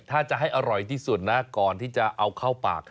ถ้าจะให้อร่อยที่สุดนะก่อนที่จะเอาเข้าปาก